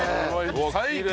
最高！